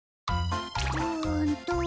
うんと。